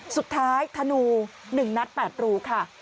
สุดท้ายธนู๑นัท๘รูค่ะ